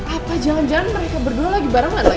apa jangan jangan mereka berdua lagi bareng mana lagi